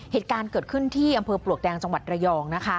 เหตุการณ์เกิดขึ้นที่อำเภอปลวกแดงจังหวัดระยองนะคะ